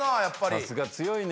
やっぱり。